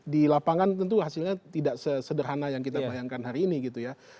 di lapangan tentu hasilnya tidak sesederhana yang kita bayangkan hari ini gitu ya